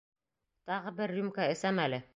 Тағы бер рюмка әсәм әле.